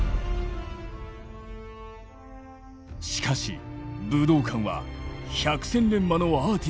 しかし武道館は百戦錬磨のアーティストたちをも狂わす。